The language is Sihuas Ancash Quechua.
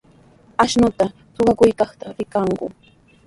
Akshunta suqakuykaqta rikarqun.